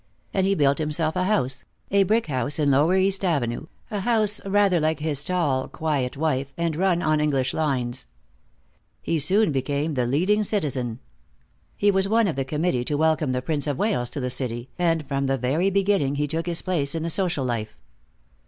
And he built himself a house, a brick house in lower East Avenue, a house rather like his tall, quiet wife, and run on English lines. He soon became the leading citizen. He was one of the committee to welcome the Prince of Wales to the city, and from the very beginning he took his place in the social life.